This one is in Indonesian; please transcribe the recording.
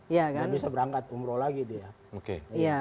nggak bisa berangkat umroh lagi dia